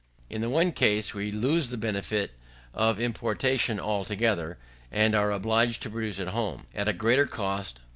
In the one case, we lose the benefit of importation altogether, and are obliged to produce at home, at a greater cost.